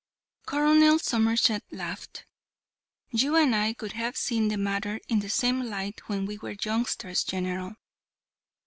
Colonel Somerset laughed. "You and I would have seen the matter in the same light when we were youngsters, General."